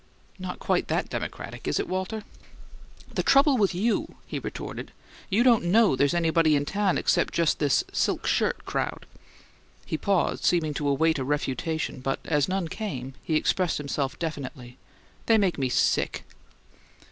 "Not quite that democratic, is it, Walter?" "The trouble with you," he retorted, "you don't know there's anybody in town except just this silk shirt crowd." He paused, seeming to await a refutation; but as none came, he expressed himself definitely: "They make me sick."